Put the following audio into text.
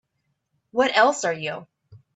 What else are you?